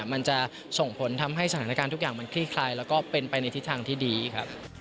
มันจะส่งผลทำให้สถานการณ์ทุกอย่างมันคลี่คลายแล้วก็เป็นไปในทิศทางที่ดีครับ